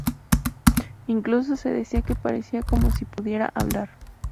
Incluso se decía que parecía como si pudiera hablar.